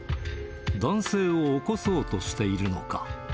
男性を起こそうとしているのか。